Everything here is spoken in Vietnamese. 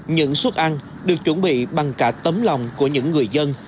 những suất ăn được chuẩn bị bằng cả tấm lòng của những người dân